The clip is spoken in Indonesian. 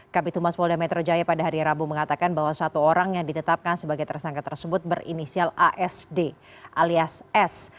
kb tumas polda metro jaya pada hari rabu mengatakan bahwa satu orang yang ditetapkan sebagai tersangka tersebut berinisial asd alias s